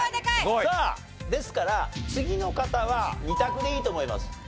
さあですから次の方は２択でいいと思います。